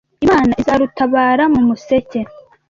Imana izarutabara mu museke